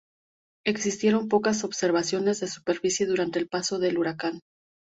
Existieron pocas observaciones de superficie durante el paso del huracán.